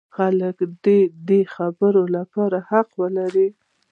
خلک دې د خبرو لپاره حق ولري.